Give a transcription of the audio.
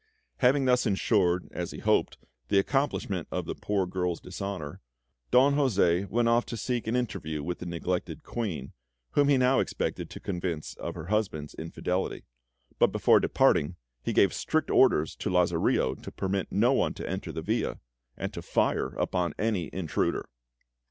Having thus ensured, as he hoped, the accomplishment of the poor girl's dishonour, Don José went off to seek an interview with the neglected Queen, whom he now expected to convince of her husband's infidelity; but before departing, he gave strict orders to Lazarillo to permit no one to enter the villa, and to fire upon any intruder.